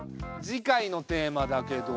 次回のテーマだけど。